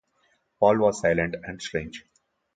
Paul was silent and strange.